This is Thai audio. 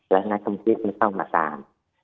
และนักความคิดเข้ามาตาม